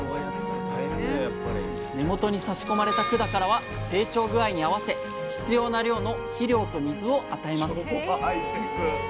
根元にさし込まれた管からは成長具合に合わせ必要な量の肥料と水を与えます。